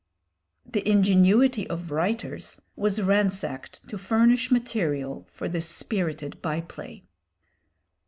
The ingenuity of writers was ransacked to furnish material for this spirited by play.